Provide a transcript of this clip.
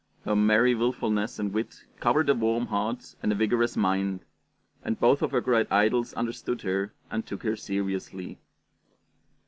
Her merry willfulness and wit covered a warm heart and a vigorous mind; and both of her great idols understood her and took her seriously.